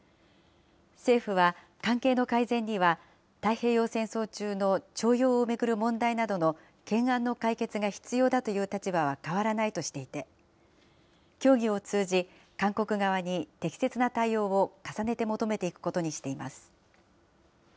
政府は、関係の改善には太平洋戦争中の徴用を巡る問題などの懸案の解決が必要だという立場は変わらないとしていて、協議を通じ、韓国側に適切な対応を重ねて求めていくことにしています。